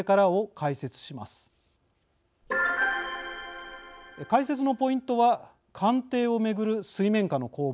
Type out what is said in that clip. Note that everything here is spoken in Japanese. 解説のポイントは鑑定を巡る水面下の攻防。